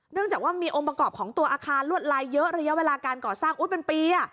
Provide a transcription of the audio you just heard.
จากว่ามีองค์ประกอบของตัวอาคารลวดลายเยอะระยะเวลาการก่อสร้างเป็นปี